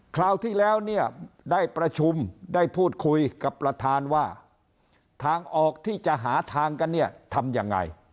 คราวที่แล้วเนี่ยได้ประชุมได้พูดคุยกับประธานว่าทางออกที่จะหาทางกันเนี่ยทำยังไง